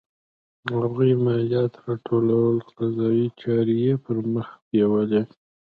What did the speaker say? هغوی مالیات راټولول او قضایي چارې یې پرمخ بیولې.